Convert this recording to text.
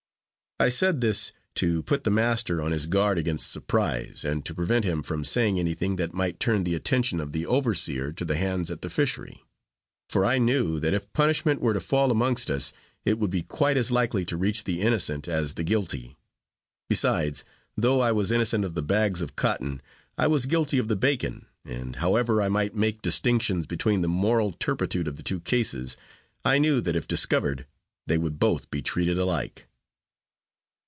I said this to put the master on his guard against surprise; and to prevent him from saying anything that might turn the attention of the overseer to the hands at the fishery; for I knew that if punishment were to fall amongst us, it would be quite as likely to reach the innocent as the guilty besides, though I was innocent of the bags of cotton, I was guilty of the bacon, and, however I might make distinctions between the moral turpitude of the two cases, I knew that if discovered, they would both be treated alike.